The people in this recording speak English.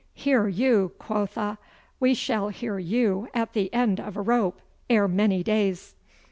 Hear you, quotha! We shall hear you at the end of a rope, ere many days.